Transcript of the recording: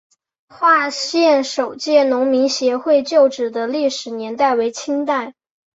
化县首届农民协会旧址的历史年代为清代。